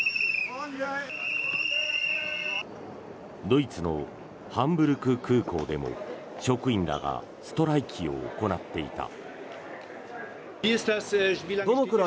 ドイツのハンブルク空港でも職員らがストライキを行っていた。